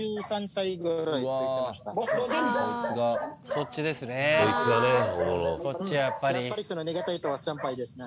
そっちですね。